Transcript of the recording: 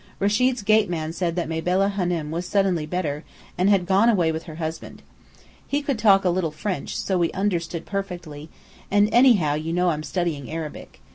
Rechid's gate man said that Mabella Hânem was suddenly better, and had gone away with her husband. He could talk a little French, so we understood perfectly and, anyhow, you know I'm studying Arabic.